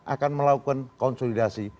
akan melakukan konsolidasi